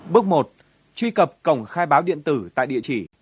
bước một truy cập cổng khai báo y tế điện tử tại địa chỉ